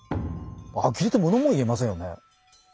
あきれてものも言えませんよね。